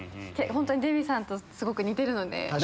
デヴィさんとすごく似てるので。